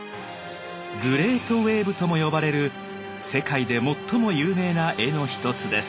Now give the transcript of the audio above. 「グレートウエーブ」とも呼ばれる世界で最も有名な絵の一つです。